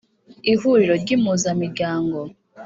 ihuriro ry’impuzamiryango.